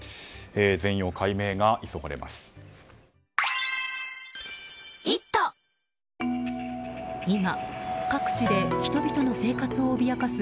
全容解明が急がれます。